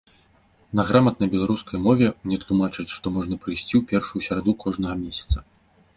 На граматнай беларускай мове мне тлумачаць, што можна прыйсці ў першую сераду кожнага месяца.